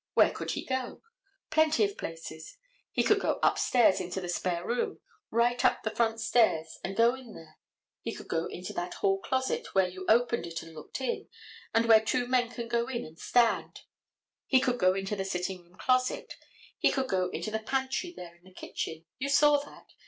Where could he go? Plenty of places. He could go upstairs into the spare room, right up the front stairs, and go in there; he could go into that hall closet where you opened it and looked in, and where two men can go in and stand; he could go into the sitting room closet; he could go into the pantry there in the kitchen; you saw that.